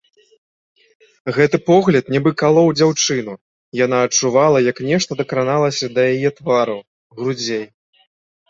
Гэты погляд нібы калоў дзяўчыну, яна адчувала, як нешта дакраналася да яе твару, грудзей.